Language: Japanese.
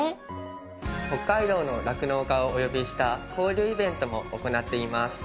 北海道の酪農家をお呼びした交流イベントも行っています。